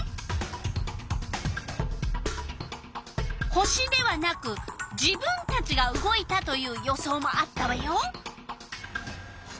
星ではなく自分たちが動いたという予想もあったわよ。